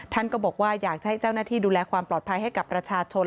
ท่านก็บอกว่าอยากจะให้เจ้าหน้าที่ดูแลความปลอดภัยให้กับประชาชน